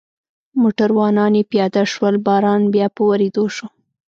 موټروانان یې پیاده شول، باران بیا په ورېدو شو.